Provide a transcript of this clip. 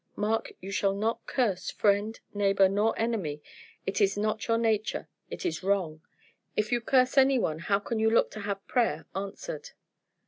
"Mark, you shall not curse friend, neighbor, nor enemy. It is not your nature; it is wrong. If you curse any one how can you look to have prayer answered?"